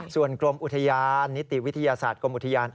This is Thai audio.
ส่วนกรมอุทยานนิติวิทยาศาสตร์กรมอุทยาน